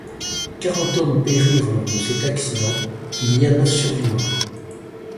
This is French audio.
Quarante hommes périrent lors de cette accident, il y a neuf survivants.